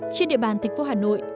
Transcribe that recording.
trên địa bàn thịnh phố hà nội